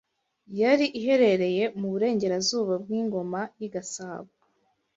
yari iherereye mu burengarazuba bw’Ingoma y’i Gasabo